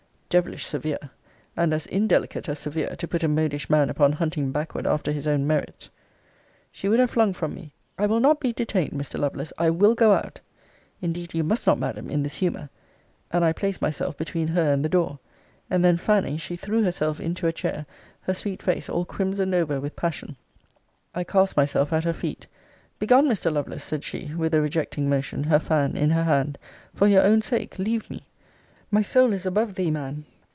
Devilish severe! And as indelicate as severe, to put a modish man upon hunting backward after his own merits. She would have flung from me: I will not be detained, Mr. Lovelace. I will go out. Indeed you must not, Madam, in this humour. And I placed myself between her and the door. And then, fanning, she threw herself into a chair, her sweet face all crimsoned over with passion. I cast myself at her feet. Begone, Mr. Lovelace, said she, with a rejecting motion, her fan in her hand; for your own sake leave me! My soul is above thee, man!